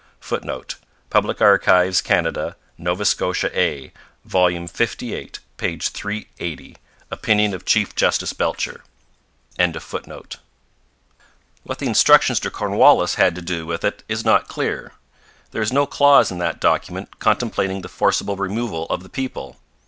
[Footnote: Public Archives, Canada. Nova Scotia A, vol. lviii, p. 380. Opinion of Chief Justice Belcher.] What the instructions to Cornwallis had to do with it is not clear. There is no clause in that document contemplating the forcible removal of the people.